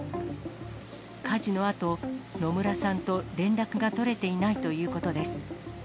火事のあと、野村さんと連絡が取れていないということです。